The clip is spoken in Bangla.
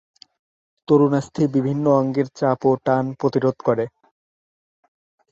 তরুণাস্থি বিভিন্ন অঙ্গের চাপ ও টান প্রতিরোধ করে।